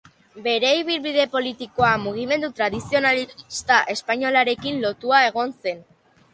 Bere ibilbide politikoa mugimendu tradizionalista espainolarekin lotua egon zen.